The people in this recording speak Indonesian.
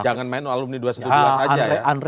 jangan main alumni dua ratus dua belas saja ya